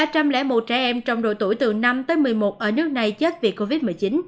ba trăm linh một trẻ em trong độ tuổi từ năm tới một mươi một ở nước này chết vì covid một mươi chín